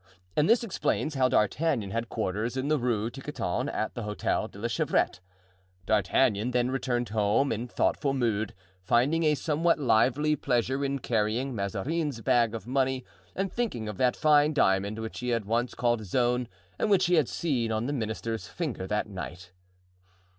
And this explains how D'Artagnan had quarters in the Rue Tiquetonne, at the Hotel de la Chevrette. D'Artagnan then returned home in thoughtful mood, finding a somewhat lively pleasure in carrying Mazarin's bag of money and thinking of that fine diamond which he had once called his own and which he had seen on the minister's finger that night.